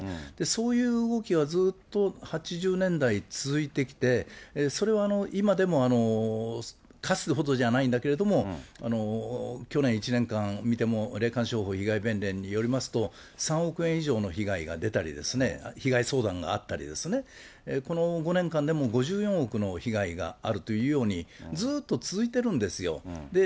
そういう動きはずっと８０年代続いてきて、それは今でも、かつてほどじゃないんだけれども、去年１年間見ても霊感商法被害弁連によりますと、３億円以上の被害が出たりですね、被害相談があったりですね、この５年間でも５４億の被害があるというように、ずーっと続いてるんですよ。